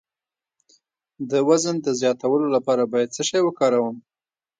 د وزن د زیاتولو لپاره باید څه شی وکاروم؟